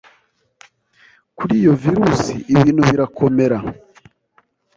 kuri iyo virus ibintu birakomera